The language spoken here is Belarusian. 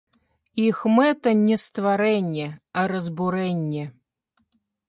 Іх мэта не стварэнне, а разбурэнне.